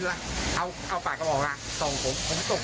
ประมาณเนี่ยครับที่นี่เย็นหน่อย